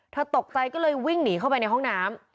ตกใจก็เลยวิ่งหนีเข้าไปในห้องน้ำ